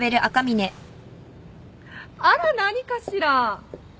あら何かしら。